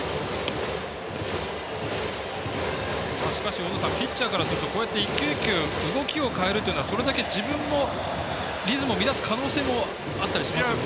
しかし、大野さんピッチャーからすると一球一球動きを変えるというのはそれだけ自分もリズムを乱す可能性もあったりしますよね？